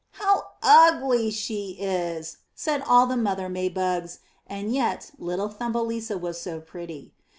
'' "How ugly she is," said all the mother May bugs, and yet little Thumbelisa was so pretty.